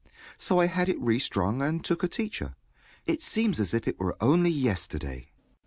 So I had it restrung, and took a teacher. It seems as if it were only yesterday.